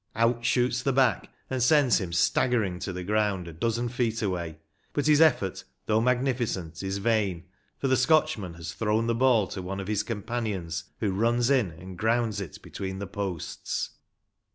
Out shoots the back, and sends him staggering to the ground a dozen feet away ; but his effort though magnificent is vain, for the Scotchman has thrown the ball to one of his companions, who runs in and grounds it between the posts.